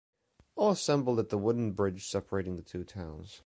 All assembled at the wooden bridge separating the two towns.